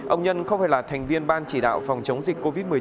ông nhân không phải là thành viên ban chỉ đạo phòng chống dịch covid một mươi chín